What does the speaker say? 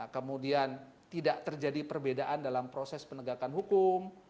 kemudian tidak terjadi perbedaan dalam proses penegakan hukum